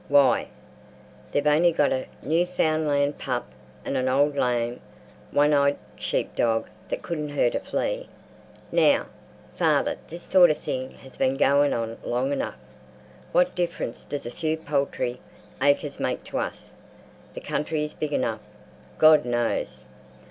Why, they've only got a Newfoundland pup, and an old lame, one eyed sheep dog that couldn't hurt a flea. Now, father, this sort of thing has been going on long enough. What difference does a few paltry acres make to us? The country is big enough, God knows!